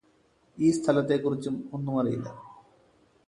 ഈ സ്ഥലത്തെക്കുറിച്ചും ഒന്നുമറിയില്ല